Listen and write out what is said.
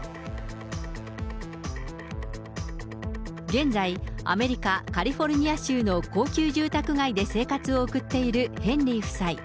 現在、アメリカ・カリフォルニア州の高級住宅街で生活を送っているヘンリー夫妻。